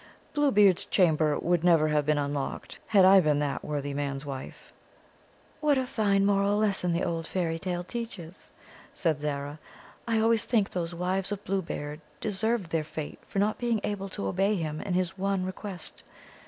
"Blue Beard's Chamber would never have been unlocked had I been that worthy man's wife." "What a fine moral lesson the old fairy tale teaches!" said Zara. "I always think those wives of Blue Beard deserved their fate for not being able to obey him in his one request.